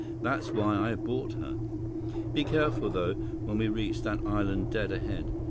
"That's why I bought her. Be careful, though, when we reach that island dead ahead.